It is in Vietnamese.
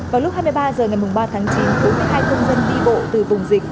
vào lúc hai mươi ba h ngày ba tháng chín bốn mươi hai công dân đi bộ từ vùng dịch